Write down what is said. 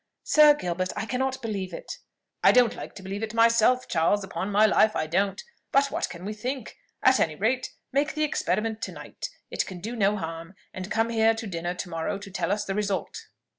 Sir Gilbert, I cannot believe it." "I don't like to believe it myself, Charles; upon my life I don't. But what can we think? At any rate, make the experiment to night; it can do no harm; and come here to dinner to morrow to tell us the result."